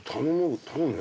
頼む？